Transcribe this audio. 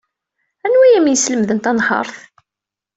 Anwa ay am-yeslemden tanhaṛt?